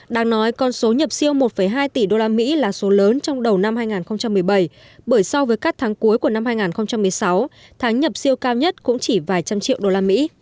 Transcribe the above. đang nói con số nhập siêu một hai tỷ đô la mỹ là số lớn trong đầu năm hai nghìn một mươi bảy bởi so với các tháng cuối của năm hai nghìn một mươi sáu tháng nhập siêu cao nhất cũng chỉ vài trăm triệu đô la mỹ